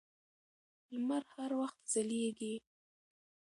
لمر هر وخت ځلېږي.